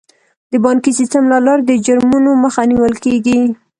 د بانکي سیستم له لارې د جرمونو مخه نیول کیږي.